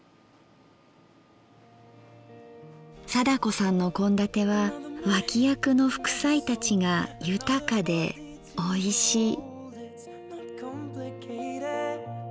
貞子さんの献立は脇役の副菜たちが豊かでおいしい。